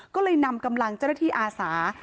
ก็เลยนำกำลังเจ้าหน้าที่อาสา